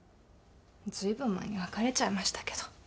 ずいぶん前に別れちゃいましたけど。